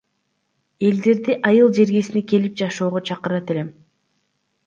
Элдерди айыл жергесине келип жашоого чакырат элем.